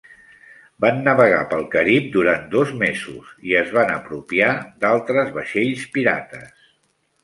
Van navegar pel Carib durant dos mesos, i es van apropiar d'altres vaixells pirates.